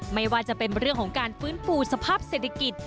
ไม่ว่าจะเป็นเรื่องของการฟื้นฟูสภาพเศรษฐกิจ